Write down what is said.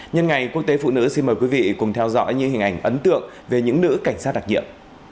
những hình ảnh ấn tượng về những nữ cảnh sát đặc nhiệm